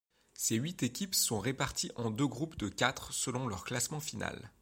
Ces huit équipes sont réparties en deux groupes de quatre selon leur classement final.